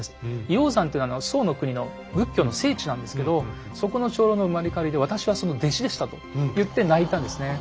「医王山」というのは宋の国の仏教の聖地なんですけどそこの長老の生まれ変わりで私はその弟子でしたと言って泣いたんですね。